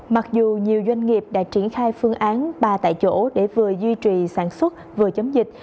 mặc dù nhiều doanh nghiệp đã triển khai phương án ba tại chỗ để vừa duy trì sản xuất vừa chống dịch